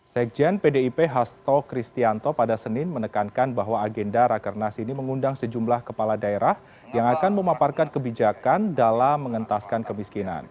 sekjen pdip hasto kristianto pada senin menekankan bahwa agenda rakernas ini mengundang sejumlah kepala daerah yang akan memaparkan kebijakan dalam mengentaskan kemiskinan